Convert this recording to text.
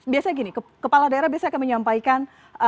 biasanya gini kepala daerah biasanya akan menyampaikan